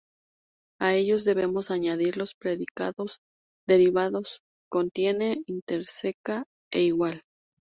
A ellos debemos añadir los predicados derivados: "contiene", "interseca" e "igual".